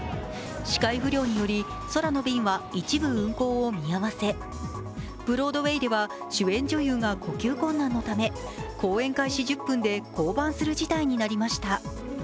視界不良により空の便は一部、運航を見合わせブロードウェイでは主演女優が呼吸困難のため公演開始１０分で降板する事態となりました。